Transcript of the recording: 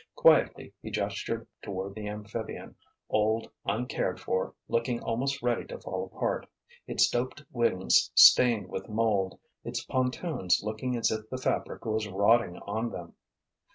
Quietly he gestured toward the amphibian, old, uncared for, looking almost ready to fall apart, its doped wings stained with mould, its pontoons looking as if the fabric was rotting on them.